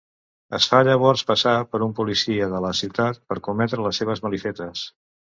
Es fa llavors passar per un policia de la ciutat per cometre les seves malifetes.